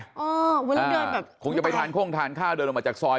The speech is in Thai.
เวลาเดินแบบคงจะไปทานโค้งทานข้าวเดินออกมาจากซอย